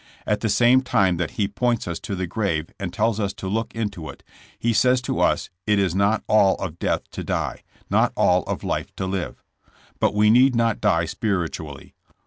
At the same time that He points us to the grave and tells us to look into it, He says to us it is not all of death to die, not all of life to live. But we need not die spiritually.